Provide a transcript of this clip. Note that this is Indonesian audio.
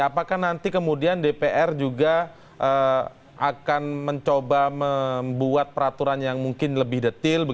apakah nanti kemudian dpr juga akan mencoba membuat peraturan yang mungkin lebih detil